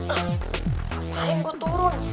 apaan gue turun